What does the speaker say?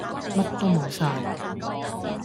乜都冇曬